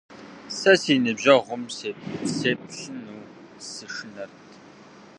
Сэ си ныбжьэгъум сеплъыну сышынэрт.